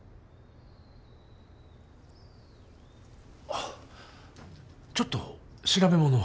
あっちょっと調べ物を。